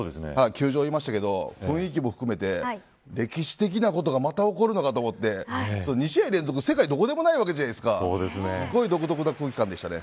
球場いましたけど雰囲気も含めて歴史的なことがまた起こるのかって２試合連続は世界どこでもないわけじゃないですか。